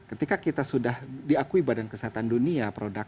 nah ketika kita sudah diakui bahwa kita harus comply dengan global standard